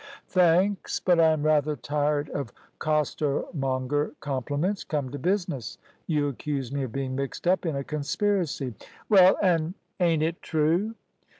"Thanks, but I am rather tired of costermonger compliments. Come to business. You accuse me of being mixed up in a conspiracy?" "Well, an' ain't it true?"